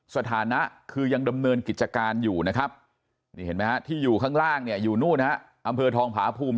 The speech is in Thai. สถานะคือยังดำเนินกิจการอยู่นะครับที่อยู่ข้างล่างอยู่นู้นอำเภอทองผาภูมิ